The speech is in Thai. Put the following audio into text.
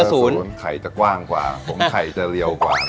เบอร์ส่วนไข่จะกว้างกว่าผมไข่จะเรียวกว่านะ